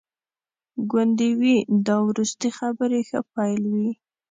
ګوندي وي دا وروستي خبري ښه پیل وي.